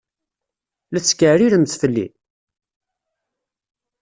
La tetkeɛriremt fell-i?